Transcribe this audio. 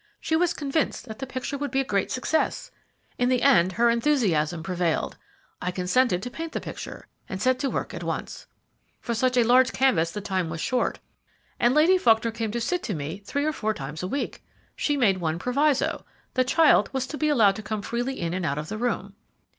She was convinced that the picture would be a great success. In the end her enthusiasm prevailed. I consented to paint the picture, and set to work at once. For such a large canvas the time was short, and Lady Faulkner came to sit to me three or four times a week. She made one proviso the child was to be allowed to come freely in and out of the room.